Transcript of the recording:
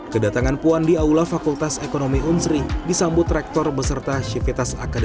kedatangan puan di aula fakultas ekonomi unsri disambut rektor beserta syivitas akademi